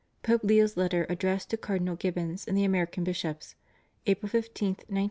Pope Leo's Letter Addressed to Cardinal Gibbons and the American Bishops, April 15, 1902.